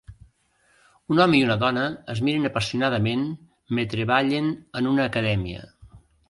Un home i una dona es miren apassionadament metre ballen en una acadèmia.